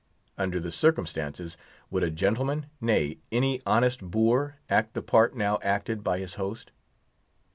Under the circumstances, would a gentleman, nay, any honest boor, act the part now acted by his host?